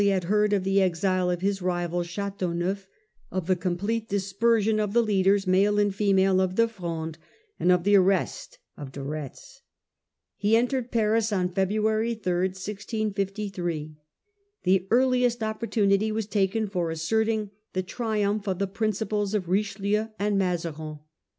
had heard of the exile of his rival Ch&teauneuf, of the complete dispersion of the leaders, male and female, of the Fronde, and of the arrest of De Retz. He sntered Paris on February 3, 1653. The earliest oppor Humiliation tun ^ was ta ^ en f° r asserting the triumph of the of the principles of Richelieu and Mazarin.